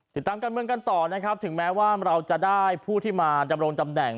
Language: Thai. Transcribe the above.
ติดตามการเมืองกันต่อนะครับถึงแม้ว่าเราจะได้ผู้ที่มาดำรงตำแหน่ง